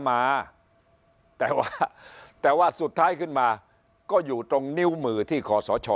มาแต่ว่าแต่ว่าสุดท้ายขึ้นมาก็อยู่ตรงนิ้วมือที่คอสช